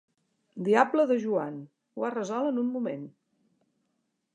Diable de Joan: ho ha resolt en un moment!